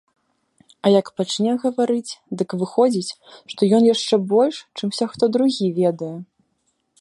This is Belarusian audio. А як пачне гаварыць, дык выходзіць, што ён яшчэ больш, чымся хто другі, ведае.